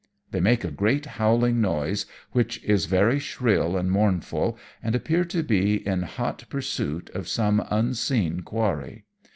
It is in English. They make a great howling noise, which is very shrill and mournful, and appear to be in hot pursuit of some unseen quarry.